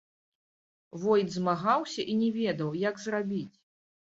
Войт змагаўся і не ведаў, як зрабіць.